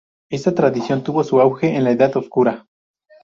Esta tradición tuvo su auge en la Edad Oscura.